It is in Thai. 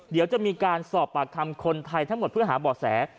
เดี๋ยวจะมีการสอบปากคำคนไทยทั้งหมดเพื่อหาบ่อแส